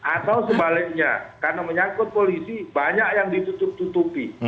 atau sebaliknya karena menyangkut polisi banyak yang ditutup tutupi